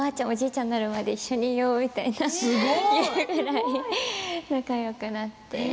おばあちゃんになるまで一緒にいようみたいなそれぐらい仲よくなって。